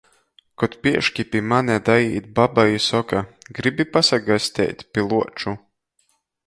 Kod pieški pi mane daīt baba i soka: "Gribi pasagasteit pi Luoču?"